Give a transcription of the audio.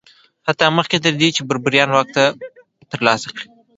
حتی مخکې تر دې چې بربریان واک ترلاسه کړي